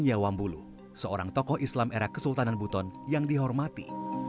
ini adalah tokoh islam era kesultanan buton yang dihormati